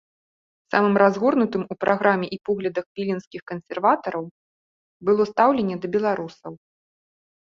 Самым разгорнутым у праграме і поглядах віленскіх кансерватараў было стаўленне да беларусаў.